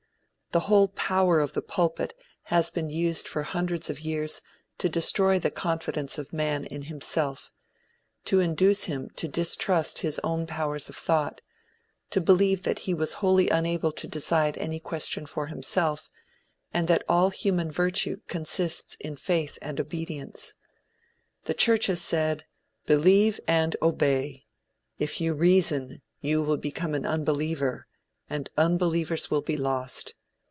The whole power of the pulpit has been used for hundreds of years to destroy the confidence of man in himself to induce him to distrust his own powers of thought, to believe that he was wholly unable to decide any question for himself, and that all human virtue consists in faith and obedience. The Church has said, "Believe, and obey! If you reason, you will become an unbeliever, and unbelievers will be lost.